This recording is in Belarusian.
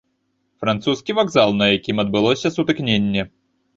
Французскі вакзал, на якім адбылося сутыкненне.